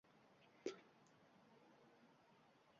Pushtunlarning urf-odatlar majmuasi «Push» tunvalay» deb ataladi.